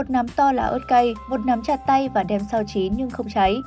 một nắm to là ớt cay một nắm chặt tay và đem sau chín nhưng không cháy